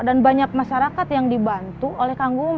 dan banyak masyarakat yang dibantu oleh kagum